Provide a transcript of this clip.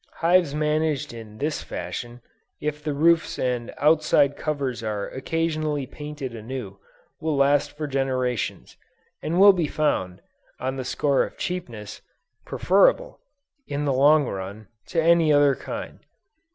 Hives managed in this fashion, if the roofs and outside covers are occasionally painted anew, will last for generations, and will be found, on the score of cheapness, preferable, in the long run, to any other kind.